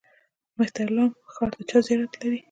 مهترلام ښار د چا زیارت لري؟